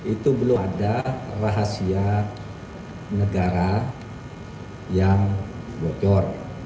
itu belum ada rahasia negara yang bocor